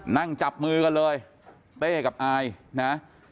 นั่งจับมือกันเลยเต้กับอายนะ